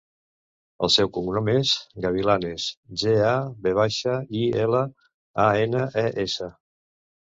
El seu cognom és Gavilanes: ge, a, ve baixa, i, ela, a, ena, e, essa.